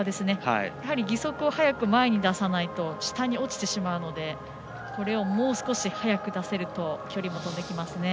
やはり義足を早く前に出さないと下に落ちてしまうのでこれをもう少し早く出せると距離も跳んできますね。